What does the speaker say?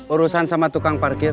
urusan sama tukang parkir